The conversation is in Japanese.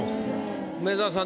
梅沢さん